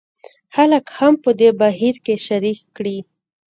خلک هم په دې بهیر کې شریک کړي.